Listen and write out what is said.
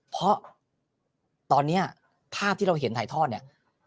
เพราะตอนนี้ภาพที่เราเห็นถ่ายทอดเนี่ย